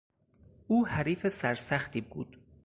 او حریف سرسختی بود.